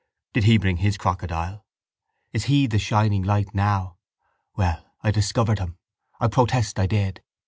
Did he bring his crocodile? Is he the shining light now? Well, I discovered him. I protest I did.